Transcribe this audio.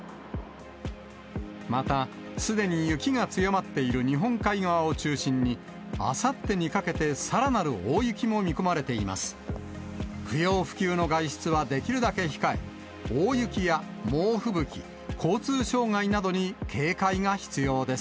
また、すでに雪が強まっている日本海側を中心に、あさってにかけてさらなる大雪も見込まれています。